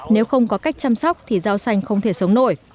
nếu không có cách chăm sóc thì rau xanh không thể sống nổi